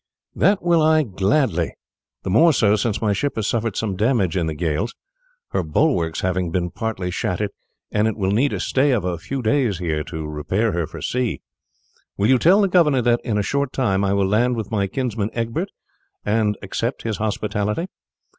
"That will I gladly; the more so since my ship has suffered some damage in the gale, her bulwarks having been partly shattered; and it will need a stay of a few days here to repair her for sea. Will you tell the governor that in a short time I will land with my kinsman Egbert and accept his hospitality?"